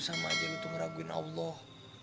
sama saja kamu meragukan allah